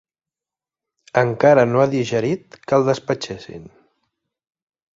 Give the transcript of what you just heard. Encara no ha digerit que el despatxessin.